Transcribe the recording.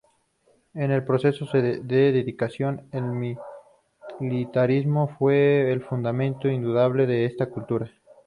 En el proceso de declinación el militarismo fue el fundamento indudable de esta cultura.